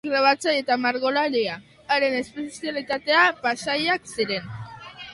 Grabatzaile eta margolaria, haren espezialitatea paisaiak ziren.